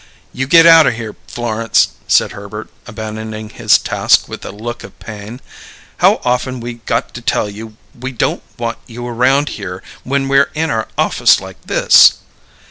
"You get out o' here, Florence," said Herbert, abandoning his task with a look of pain. "How often we got to tell you we don't want you around here when we're in our office like this?"